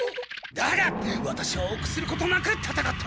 だがワタシはおくすることなくたたかった！